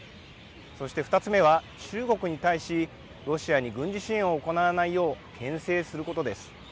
そして２つ目は中国に対しロシアに軍事支援を行わないようけん制することです。